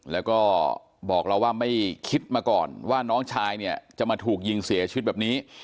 แล้วก็บอกเราว่าไม่คิดมาก่อนว่าน้องชายเนี่ยจะมาถูกยิงเสียชีวิตแบบนี้